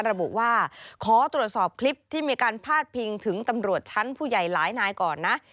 ระบุว่าขอตรวจสอบคลิปที่มีการพาดพิงถึงตำรวจชั้นผู้ใหญ่หลายนายก่อนนะ